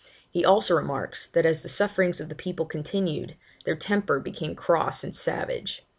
He also remarks, that as the sufferings of the people continued, their temper became cross and savage.